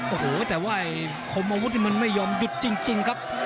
โอ้โหแต่ว่าไอ้คมอาวุธนี่มันไม่ยอมหยุดจริงครับ